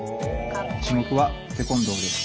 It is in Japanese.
種目はテコンドーです。